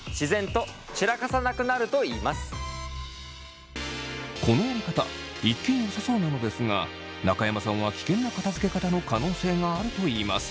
更にこのやり方一見よさそうなのですが中山さんは危険な片づけ方の可能性があると言います。